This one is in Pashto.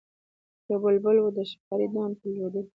یو بلبل وو د ښکاري دام ته لوېدلی